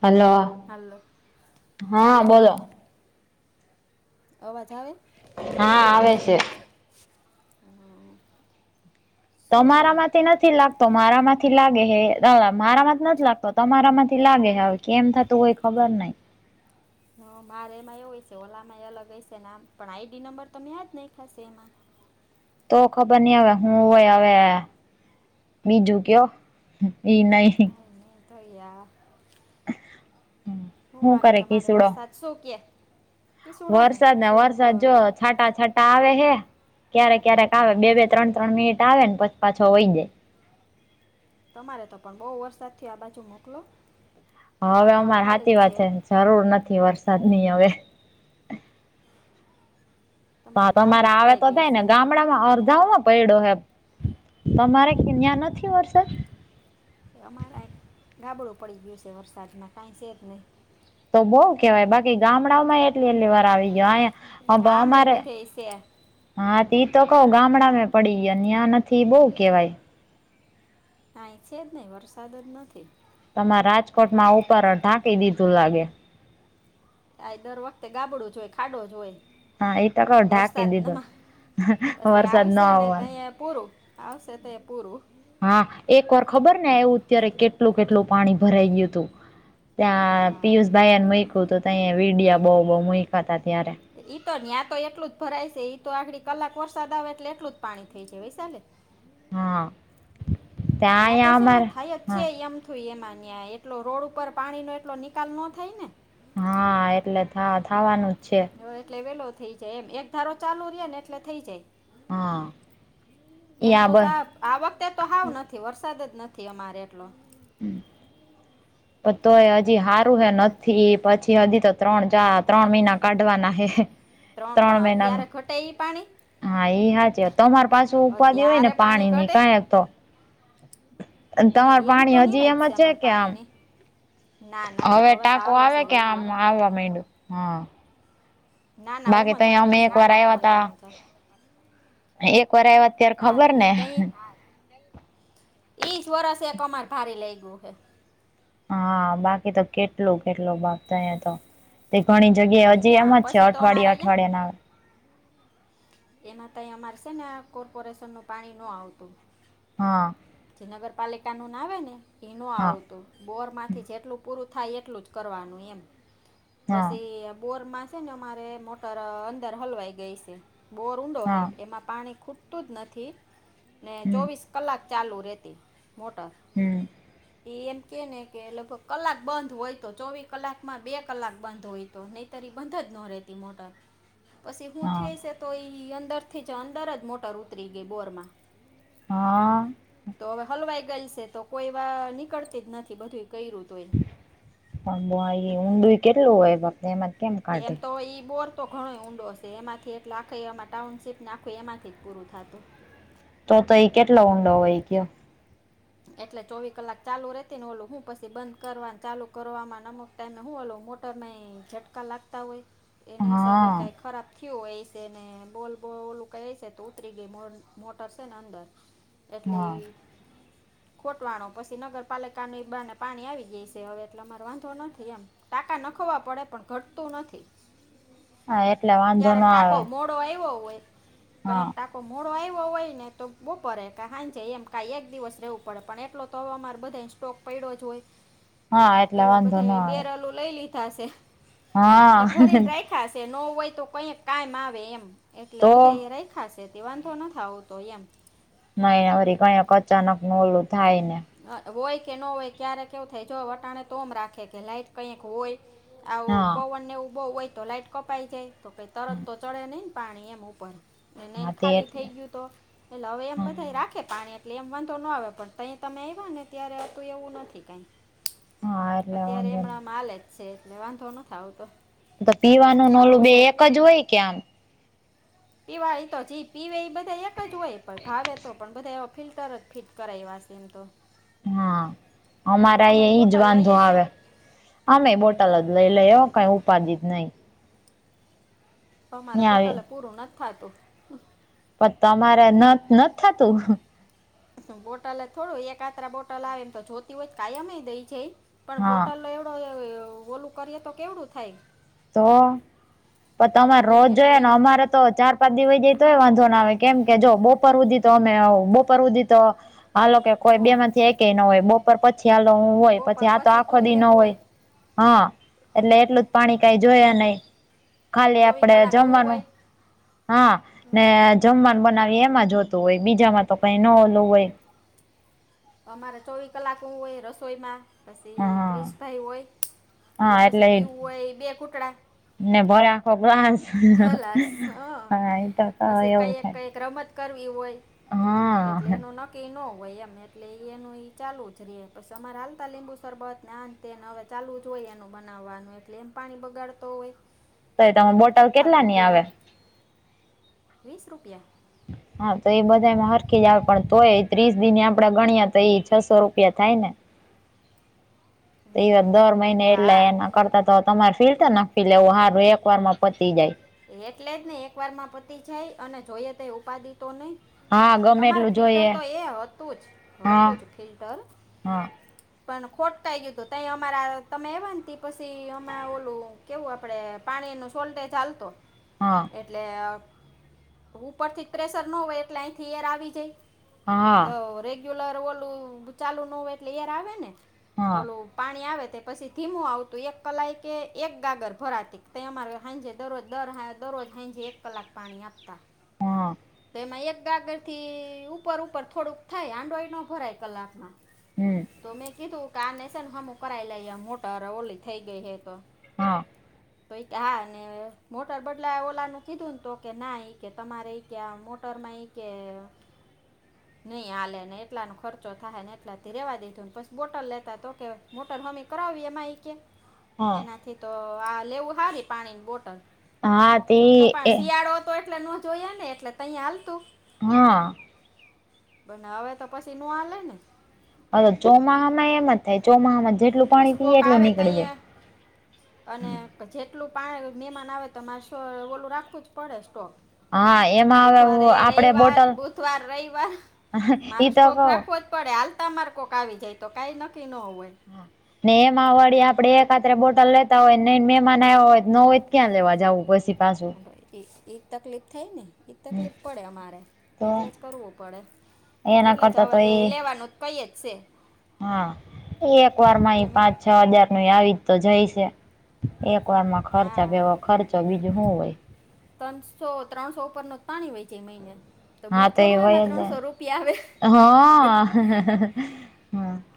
Hello hello હા hello બોલો અવાજ આવે હા આવે છે. હમ શું તમારા કરે માંથી નથી લાગતા તો મારામાંથી લાગે હે મારામાંથી નથી લાગતો તમારા માંથી લાગે હ હવે કેમ થતું કોઈ ખબર નહિ હ મારે એમાં એવું હોય છે ઓલામાં એ અલગ હશેમ પણ આઈડી નંબર તમે યાજ નાયખાસે એમાં તો ખબર નઈ આવે હું હોય હવે બીજું કયો ને નહીં થયા હું કરે કીસુડો સો ગયા. વરસાદ ને વરસાદ જો છાંટા છાટા આવે હે ક્યારેક ક્યારેક આવે બે બે ત્રણ ત્રણ મિનિટ આવે ને પછ પાછો હોય જાય તમારે તો પણ બહુ વરસાદ થયો આ બાજુ મોકલો હ હવે અમે હાવ અમારે ખાલી હાચી જ વાત છે જરૂર નથી વરસાદ ની હવે તો તમારે તાપી આવે ભરાઈ તો ગઈ થાય ને છે ગામ માં અર્ધામાં પૈડ્યો હે તમારે ન્યા નથી વરસાદ અમાર આય ગાબડું પડી ગયું છે વરસાદમાં કાંઈ છે જ નહીં તો બઉુ કેવાય બાકી ગામડાઓમાં એટલી એટલી વાર આવી ગયો આયા હ બાવ ગામડે મારે બધે છે હા ઇતો કઉ ગામડામાં પડીગ્યા ન્યા નથી બહુ કેવાય આય છે જ નહી વરસાદ જ નથી. તમારે રાજકોટમાં ઉપર ઢાંકી દીધું લાગે આય દર વખતે ગાબડું જો હોય ખાડો જ હોય હા એ તો કઉ વરસાદ ઢાંકી દીધું નમાં પછી વરસાદ ન આવશે ને આવવાનું તહી પૂરું આવશે તયે પૂરું હા એક વાર ખબર ને આવું ત્યારે કેટલું કેટલું પાણી ભરાઈ ગયું હતું. ત્યાં હા પિયુષભાઈ એને મક્યું તું, તય વિડિયા બહુ બહુ મુક્યતા ત્યારે. ઈ તો, ન્યા તો એટલું જ ભરાય છે, ઈ તો આખડી કલાક વરસાદ આવે એટલે એટલું જ પાણી થઈ છે, વૈશાલ હા ત્યાં ન્યા તો અહીંયા છે ને, અમારે થાય જ છે હા એમ. થૂ એ માંન્યા, એટલો રોડ ઉપર પાણી નો એટલો નિકાલ ન થાય ને. હા એટલે થા થાવાનુંજ છે. હવે એટલે વેલો થઈ જાય એમ, એક ધારો ચાલુ રે ને એટલે થઈ જાય. હા. એમ યા તો બસ ચાપ આ વખતે તો હાવ નથી, વરસાદજ નથી અમારે એટલો. પ તોય એ હજી હારું હે નથી, પછી હજી તો ત્રણ ચા ત્રણ મહિના કાઢવાના હે હે. ત્રણ, પણ અત્યારે ઘટે ઈ પાણી. હા ઈ હાચી વ, તમાર પાસુ હવે ઉપાધિ હોયને ત્યારે પાણી પાણીની ઘટે કાયકતો. તમારો નહીં એમ તો પાણી નહીં હજી રાખ એમ છે, અમારે કે આમ પાણીની ના ના હો, હવે તો ટાંકો આવે છે આવેકે આમ રેગ્યુલર આવવા માંડ્યું હા. ના ના ઓમ બાકી તો જ અહીયા આવે અમે છે એક વાર આવ્યા હતા. નગરપાલિકાનું જ આ એક વાર આવ્યા અત્યારે હા ખબર એ ને. ઈજ વરસે એક અમાર ભારી લાઈગુ ઓહે. હા બાકી તો કેટલો કેટલો ભાગ થયાતો, તે ઘણી જગ્યાએ ઈ હજી ના એમજ છે, પછી તો અમારે અઠવાડિયા અહીંયા અઠવાડિયા ના આવે. એમાં તઈ અમારે શે ને, કોર્પોરેશનનું પાણી ન આવતું. હા જે નગરપાલિકા નું ના આવેને, એનું હા આવતું, બોર માંથી જેટલું પૂરું થાય એટલુંજ. કરવાનું એમ, હા પસી બોર મા છે ને અમારે મોટર અંદર હલવાઈ ગઈ શે, બોર ઊંડો હે, હા એમાં પાણી ખૂટ તુંજ નથી, ને હમ ચોવીસ કલાક ચાલુ રહેતી, મોટર. હમ્મ [inaudible] એ એમ કેને કે, લગભગ કલાક બંધ હોય તો, ચોવી કલાકમાં બે કલાક બંધ હોય તો, નહ તરી બંધજ ન રહેતી મોટર. પશી હું હા થઈ શે તો ઈ, અંદરથીજ અંદરજ મોટર ઉતરી ગઈ બોર માં. હા તો હવે હલવાઈ ગઈ શે તો, કોઈ વા નીકળતી જ નથી બધું કર્યું તો એ. અંગવાયે ઊંધુંય કેટલું હોય, બાપને એમાં. કેમ કાઢે એમતો ઈ બોર તો ઘણોઇ ઊંડો હશે, એમાંથી એટલે આખેય એમાં ટાઉનશીપને આખું એમાંથીજ પૂરું થાતુ. તો તો ઈ કેટલો ઊંડો હોય ગયો. એટલે ચોવી કલાક ચાલુ રેતીને, ઓલું હું પસી બંધ કરવાન ચાલુ કરવાવામાં નમ તેણે હુ ઓલો મોટર નેઈ ઝટકા લાગતા હોય, એની હિસાબે હા કાંઈ ખરાબ થયું ઓય શે ને, બોલ બોલ ઓલું કય શે, તો ઉતરી ગઈ મોટર શેને અંદર. એટલે હા ઈ ખૂટવાણો પસી નગરપાલિકાની ઈ બાને પાણી આવી ગય શે, હવે એટલે અમારો વાંધો નથી એમ. ટાકા નખવા પડે પણ ઘટતું નથી. હા એટલે વાંધો ક્યારેક ના ટાકો આવે મોડો આવ્યો હોય, હા કઈક ટાક તો મોડો આવ્યો હોયને, તો બપરે કે હાંજે, એમ કા એક દિવસ રહેવું પડે, પણ એટલો તો હમારે બધાએ સ્ટોક પડ્યોજ હોય, એમ હા એટલે પેલા વાંધો બધાએ ના આવે બેરલો લઈ લીધાશે, એટલે હા ભરીને રાખ્યા હશે, નો હોય તો કઈક કઈમ આવે એમ. એટલે તો બધા એ રેખાશે, તે વાંધો નથ આવતો એમ. નઈ આવરી કણક અચાનક નું ઓલું થાય ને. અ હોય કે ન હોય, ક્યારેક કેવું થાય, જો વટાણે તોમ રાખેકે લાઈટ કઈક હોય. આવુ હા પવનને એવુ બહુ હોય તો લાઈટ. કપાઈ જાય તો કઈ તરત તો ચડે નહી ને પાણી એમ ઉપર એ નહીને હા તે ખાલી એટલે થઈ ગયું તો એટલે હવે એમ બધા હા રાખે પાણી એટલે એમ વાંધો ના આવે પણ તે તમે આવ્યા ને ત્યારે હતું એવું નથી કઈ એટલે અત્યારે વાંધો ન એમનમ હાલ છે એટલે વાંધો નથી આવતો તો પીવાનું ને ઓલું સારું બે છે એક જ હોય કે આમ પીવા એ તો જ પીવે એ બધા એક જ હોય પણ ભાવે તો પણ બધા એ ફિલ્ટર જ ફીટ કરાવવા છે એમ તો હા અમારા અમે ઈ જ બોટલ વાંધો લઈએ છીએ આવે અમે પણ બોટલ જ લઈ લે હ કઈ ઉપાઘી જ નઈ અમારે ન્યા આવી બોટલે પૂરું નથી થતું પણ તમારે ન નથ થતું બોટલે થોડું એકાત્ર બોટલ આવે એમ તો જોતી હોય કાયમ દઈ છે પણ હા બોટલો એવ ઓલું કરીએ તો કેવડું થાય. તો પણ તમારે એમ રોજ એટલે જોયાને એમ અમારે તો ચાર. એ કડી વયજાય તોય વાંધો ના આવે કેમ કે જો બપોર ઉધી તો અમે બપોર ઉધી તો. હલો કે કોઈ બે હં. માંથી એક કે ન હોય બો પર પછી હાલો હું હોય બપોર પછી આ તો આખો તું દી ન એક હોય હ એટલે એટલું જ પાણી. કઈ જોયા નહી ખાલી ચોવીસ આપડે કલાક હું જમવાનું. હોય હા ને જમવાનું બનાવી એમાં જતું હોય બીજામાં તો કઈ ન ઓલું હોય. અમારે ચોવી કલાક હું હોય રસોઈમાં. પસી હા ક્રિસભાઈ હોય એ હા પછી એટલે પીવું હોય એ બે કૂટડા. ને ભરે આખો ગ્લાસ હલાસ હા એતો ક એવું થાય. એક રમત કરવી હોય હા એટલે એનું ન કનકી ન હોય એમ એટલે એ એનું એ ચાલુ જ રિયે પસી અમારે હાલતા લીંબુ સરરબત ને આને તેને હવે ચાલુ જ હોય એનું બનાવવાનું એટલે એમ પાણી બગાડતો હોય. તે ડોવન બોટલ કેટલા થાતો ની પોરો આવે વીસ રૂપિયા. હા તો એ બધામાં હરખી જ આવે પણ તોય ત્રીસ દિ આપડે ગણએ તો ઈ છસો રૂપિયા થાય ને. એવા દર મહિને એટલે હા એના કરતા તો તમારે ફીલતર નાખી દેવું હારુ એક વાર માં પતી જાય. એટલે જ ને એક વાર માં પતી જાય અને જોઈએ તે ઉપાધિ તો નહી. હા ગમે અમારે એટલું ફિલ્ટર જોઈએ તો એ હતું જ હા હતું જ ફિલ્ટર. હા પણ ખોટકાઈ ગયું હતું તઈ અમારા તમે આવયા ને તી પછી અમના ઓલું. કેવું આપડે પાણી નું સોલ્ટે ચાલતો. હા. એટલે ઉપરથી જ પ્રેશર નો હોય એટલે અહીથી એર આવી જાય. હા રેગ્યુલર ઓલું ચાલુ ના હોય એટલે એર આવે ને હા ઓલું. પાણી આવે તે પછી ધીમું આવતું એક કલાય કે એક ગાગર ભરાતી તે અમારે હાંજે દરરોજ. દર દરરોજ હાંજે એક કલાક પાણી આપતા. હા. તેમાં એક ગાગર થી ઉપર ઉપર થોડુંક થાય હાંડો એ નો ભરાય કલાકમાં. હમ. તો મેં કીધું કે આ ને શે ને હમું કરાવી લયે મોટર ઓલી થઈ ગઈ હે તો. હ તો યકે હા મોટર બદલા ઓલા ને કીધું ને તો કે ના કે તમારે. કે આ મોટરમાં ઈ કે. નહીં હાલે ને એટલાનો ખર્ચો થાય ને એટલાથી રેવા દીધું ને પછી બોટલ લેતા તો કેય. મોટર હમી કરાવી એમ આઈ કે. હા એનાથી તો આ લેવું સારી પાણીની બોટલ. હા તે તો પણ એ શિયાળો તો એટલે નો જોયા ને એટલે તહીયા હાલતું. હમ્મ પણ હવે તો પછી નો હાલે ને. હા, તો ચોમાહમાં એમ જ થાય ચોમાહમાં જેટલું પાણી પછી પીએ કોક એટલું આવે નીકળી જાય. ત્યાં અને જેટલું પાણી મહેમાન આવે તોરે શ ઓલું રાખવું જ પડે સ્ટોક હા એમાં હવે બુધવારે આપડે રવિવાર બોટલ બુધવાર રવિવાર મારે ઈ તો સ્ટોક કવ રાખવો. પડે આલતા માર કોક આવી જાય તો કઈ નક્કી ન હોય. હા. ને એમાં વાળી આપડે એકાત્રે બોટલ લેતા હોય ન મે એમા આવ્યા હોય, ન હોય ક્યાં લેવા જવુ પછી પા હ એ એક તકલીફ થઈ ને ઈ તકલીફ પડે અમારે તો એટલે જ કરવું પડે એના એટલે જ કરતા હવે તો લે એ લેવાનુ કૈત છે. હા એ એક વાર માં એટલે એ મેં પાંચ છ હાજાર ન આવી જ તો જઈ છે. એક વારમા ખર્ચા હા બેવ ખર્ચો બીજું શું હોય. ત્રણસો ત્રણસો ઉપર ન પાણી હોય છે, મહિને તો હા બિલ એ થોડું હોય એમાં જ ત્રણસો રૂપિયા આવે. હા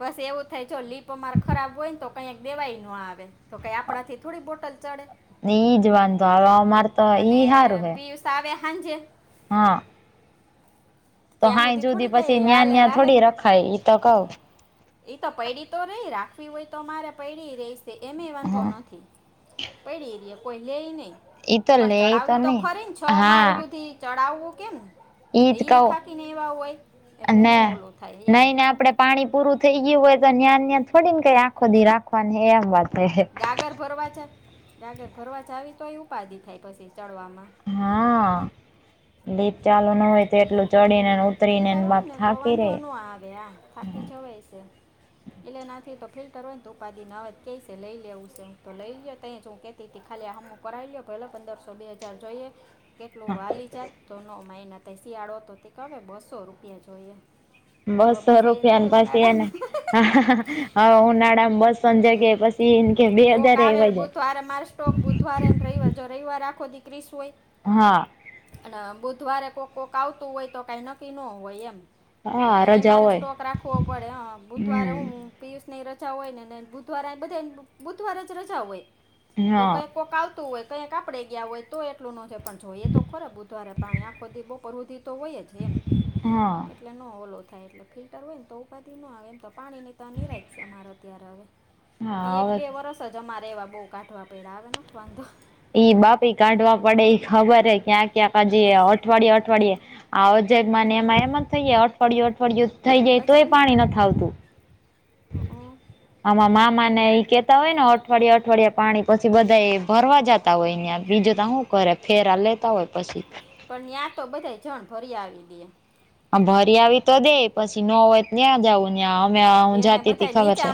બસ એવું થાય જો લીપ અમારે ખરાબ હોય, ને તો કઈક દેવાઈ ન આવે તો કઈ આપણા થી થોડી બોટલ ચડે ને ઈ જ વાંધ તો હ અમારે તો ઈ સારુ હે સાાવ્યા હંજ હા તો ત્યાં હાાઈ સુધી જુદી થોડી પછી કંઈ ન્યા હાલે ન્યા રાહે થોડી રખાય તો કવ એ તો પૈડી તો રહી રાખવી હોય તો મારે પૈડી રેશે એમે વાંધો હા નથી. પડી રએ કોઈ લેઈ નહ ઈ તો પણ લેય ચડાવી તો નહી ખરી ને છ માળ બુંધી ચડાવવું કેમ ઈદગા થઠાકીને એવા હોય એટલે ન ઓલું થાય, એમ નઈ ને આપડે પાણી પૂરું થઈ ગયું હોય તો ન્યા્યાં થોડી ને કઈ આખો દી રાખવાનુંને એમ વાત હે ગાગર ભરવા જ ગાગર ભરવા જ આવી તોય ઉપાધિ થાય પછી ચડવામા હા લીપચાલુ ન હોય. તો એટલું એટલે ચડીને ને ઓલું ઉતરીને ફિલ્ટર હોય બાપ ને તો થાકી વાંધો રે ન આવે આ થાકી જવાય છે. એટલે નાથી તો ફિલ્ટર હોય ને ઉપાિ નાવેજ ક લઈ લેવું છે, હું તો લઈ લ ત હુ ખાલી હમુ કરાવી લ્યો પેલો પંદરસો બે હજાર જોઈએ. કેટલું વાલી જાત તો ન માિના થ શિયાળો તો તે કવે બસો રૂપિયા જોઈએ. હવે બસો એ રૂપિયાની થાય પાસે એ ને ઉનાળામાં હ હ ઉનાળામાં બસ સંજગ પછી. કે બે કોક હજાર આવે એવાય બુધવારે મારે સ્ટોક બુધવારેને રવિવાર જો રવવાર આખો દી ક્ર્રીસ હોય. હા અને બુધવારે કોઈક કોક આવતું હોય તો કઈ નક્કી ન હોય એમ તો હા તહી રજા મારે હોય સ્ટોક રાખવો પડે હ બુધવારે હુ. હમ પિયુષ ની રજા હોય ને બુધવાર બધા બુધવાર જ રજા હોય તો હા કઈ કોક આવ હોય કઈક આપણેે ગયા હોય તો એટલું નો પણ જોઈએ તો ખોર બુધવારે પાણી આખો પરવૃધિ તો હોય જ એમ હા એટલે ન ઓલો થાય એટલે ફિલ્ટર હોય ને તો ઉપાધિ ન આવે એમ તો પાણી નથી. તો નની રાજ અમારો ત્યારે હવે. હા હવે પરસ જ અમારેવા બહુ કાઢવા પેડાા આવે નથી વાંધો એ બાપી કાઢવા પડે ખબર હે ક્યાંક ક્યાંક આજી અઠવાડિય અઠવાડિે આોજગ એમાં એમ જ થઈે અઠવાડિયું અઠવાડિયુ થઈ જાય તો એ પાણી ન આવતુ હ આમાં મામા ને એઈ કેતા હોય ને અઠવાડિયા અઠવાડિયા પાણી પછી બધા એ ભરવા જતા. હોય બીજુ ત શું કરે ફેર લેતા હોય, પછી. પણ ત્યાં તો બધા જણ ભરી આવી દે હ ભરી આવી તો દે પછી ન હોય ત્યાં જઉં ત્યાં અમે હું એને જાતી ત બધાય ખબર છે નીચા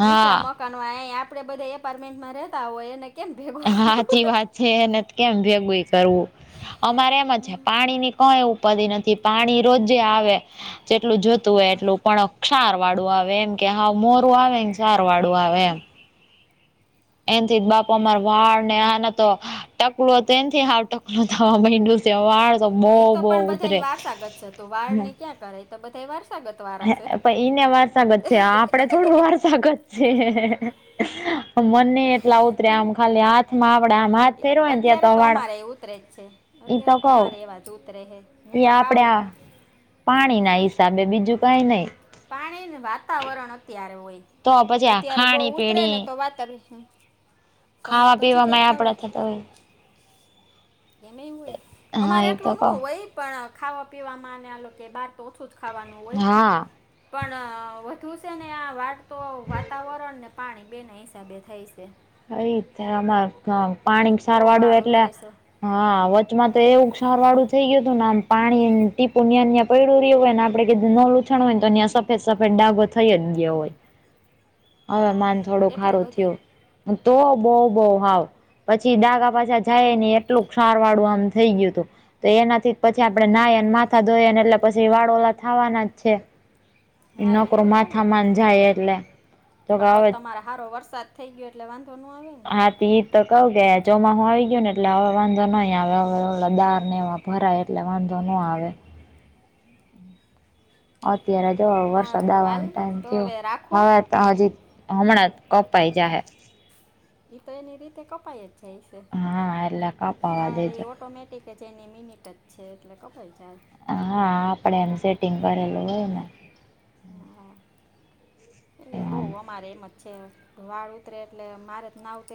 હા. તનુ આંહે આપડે બધા એપાર્ટમેન્ટમાં રેહતા હોય એને કેમ ભેગું કરવું હાચી વાત છે એને કેમ ભેગુંઈ કરવું અમારે એમ છે પાણીની કઈ ઉપાદી નથી પાણી રોજે આવે જેટલું જોતું હોય હા, એટલું પણ ક્ષારવાળું આવે એમ કે હાવ મોરું આવે ક્ષારવાળુ આવે હમ, એમ. એન થી જ બાપા માર હોય વાળ ને આના તો ટકલો હતો તેથી હાવ ટકલો થવા મૈન્ડુ સે. તેવા વાળ તો એ બહું બહુ પણ ઉતરે, બધાને વારસાગત છે તો હમ્મ. વાળની ક્યાં કરે તો બધાય વાર સે. હ પર ઈને વારસાગત છે આપડે થોડ વારસાગત છે. એને એટલા ઉતર્યા આમ ખાલી હાથમાં આવડે આમ હાથ એ- ફેરવો ને ત્યાં અત્યારે તો વાળ અમારે એ ઉતરે જ છે. તો અત્યારે કવ અમારે એવાજ ઉતરે હે. ઈ આપડે આ પાણી ના હિસાબે બીજું કઈ નઈ. પાણી ને વાતાવરણ અત્યારે હોય. તો પછી આ અત્યારે ખાણી બોઉ ઉતરે પીણી ને તો વાતર હમ. ખાવા પીવામાં આપડા થતા હોય. એનેય હોય હા અમારે એ તો એટલું ન કહ હોય પણ ખાવા પીવામાં ને આ લોક કે બાર તો ઓછું જ ખાવાનું હોય હા પણ વધુ છે ને આ વાળ તો વાતાવરણને પાણી બે ના હિસાબે થાય છે. ઈજ અમાર પાણી બહુ ક્ષારવાળું વાળ એટલે ઉતરે છે હા વચમાં તો એવું ક્ષારવાળું થઈ ગયું હતું ને આમ પાણી ટીપુ ન્યા ને ન્યા પયડું રહ્યું હોય ને આપડે કેથે ન લૂછાણુ હોયને તો ન્યાં સફેદ-સફેદ ડાગો થઈ જ ગયો હોય. હ હવે અ માન થોડુંક એટલો હારું બધે થયું તો ઓ બોઉ બોઉ હાવ પછી ડાગા પાછા જાય ને એટલું ક્ષારવાળું આમ થઈ ગયું હતું. તો એનાથી પછી આપડે નાહય ને માથા ધોયને એટલે પછી વાળ ઓલા થાવાના જ છે. હા એ તો નકરું થાય જ માથામાં ન પછી જાય એટલે તો કે પણ હવે તમારા હારો વરસાદ થઈ ગયો એટલે વાંધો નો આવે. ને હા તઈ તો કઉ કે ચોમાહું આવી ગયું ને એટલે અવે વાંધો નહી આવે અવે દાર ને એવા ભરાય એટલે વાંધો નો આવે. હ અત્યારે જો વરસાદ સારું હાલ આપવાનો ટાઈમ તો થયો. હવે રાખું હવે તો હજી હમણાં જ કપાઈ જાહૈ. એ તો એની રીતે કપાય જ છે. હા એટલે કપાવા બા દેજો એ ઓટોમેટિક કે જે એની મિનીટ જ છે એટલે કપાય જ જાય. હા આપડે એમ સટિંગ કરેલું હોય અમ, ને. તે એ વાંધો બોઉ અમારે એમ જ છે. વાળ ઉતરે એટલે મારે જ ના ઉતરે